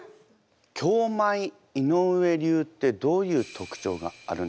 京舞・井上流ってどういう特徴があるんでしょうか？